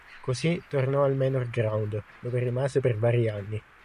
Così tornò al Manor Ground, dove rimase per vari anni.